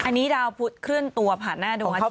อันนี้ดาวพุทธขึ้นตัวผ่านหน้าดวงอาทิตย์มา